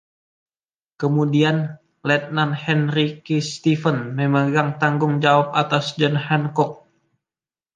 Kemudian, Letnan Henry K. Stevens memegang tanggung jawab atas “John Hancock”